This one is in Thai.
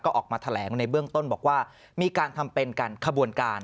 ก็ออกมาแถลงในเบื้องต้นบอกว่ามีการทำเป็นการขบวนการ